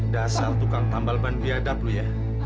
dasar tukang tambal ban biadab lu ya